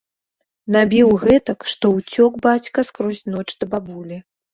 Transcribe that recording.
Набіў гэтак, што ўцёк бацька скрозь ноч да бабулі.